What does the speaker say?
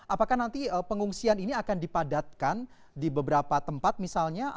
apakah nanti pengungsian ini akan dipadatkan di beberapa tempat misalnya